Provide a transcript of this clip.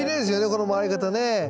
この回り方ね。